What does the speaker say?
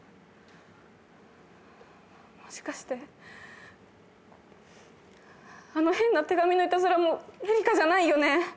もしかしてあの変な手紙のいたずらもエリカじゃないよね？